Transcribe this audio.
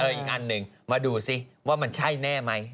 อีกอันหนึ่งมาดูสิว่ามันใช่แน่ไหม